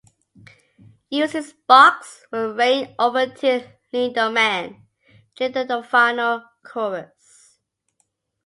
Usually, sparks would rain over Till Lindemann during the final chorus.